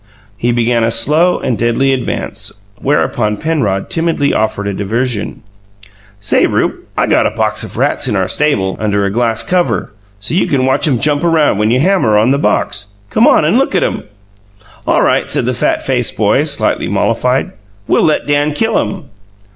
He began a slow and deadly advance, whereupon Penrod timidly offered a diversion: "Say, Rupe, I got a box of rats in our stable under a glass cover, so you can watch 'em jump around when you hammer on the box. Come on and look at 'em." "All right," said the fat faced boy, slightly mollified. "We'll let Dan kill 'em."